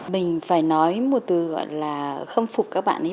mình phải nói một từ gọi là khâm phục các bạn ấy